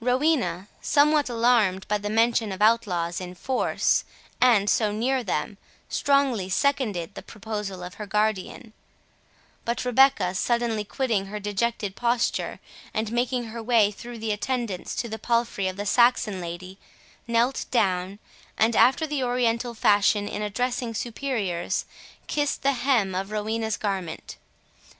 Rowena, somewhat alarmed by the mention of outlaws in force, and so near them, strongly seconded the proposal of her guardian. But Rebecca suddenly quitting her dejected posture, and making her way through the attendants to the palfrey of the Saxon lady, knelt down, and, after the Oriental fashion in addressing superiors, kissed the hem of Rowena's garment.